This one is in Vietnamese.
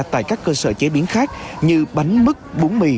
tại các cơ sở chế biến khác như bánh mứt bún mì